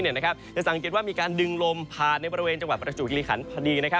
จะสังเกตว่ามีการดึงลมผ่านในบริเวณจังหวัดประจวบคิริขันพอดี